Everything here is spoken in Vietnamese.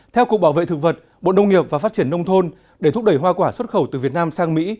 theo cục bảo vệ thực vật bộ nông nghiệp và phát triển nông thôn để thúc đẩy hoa quả xuất khẩu từ việt nam sang mỹ